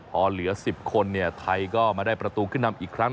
พอเหลือ๑๐คนไทยก็มาได้ประตูขึ้นนำอีกครั้ง